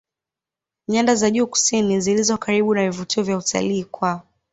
nyada za juu kusini zilizo karibu na vivutio vya utalii kwa